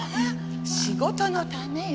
仕事のためよ。